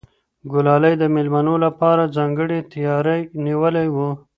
ګلالۍ د مېلمنو لپاره ځانګړی تیاری نیولی و.